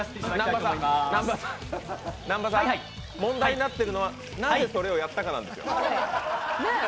南波さん、問題になってるのは、なぜそれをやったかなんですよ。